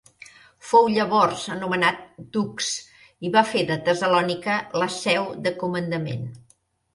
Fou llavors anomenat dux i va fer de Tessalònica la seu de comandament.